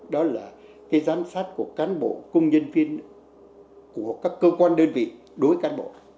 đó là giám sát của cán bộ công nhân viên của các cơ quan đơn vị đối với cán bộ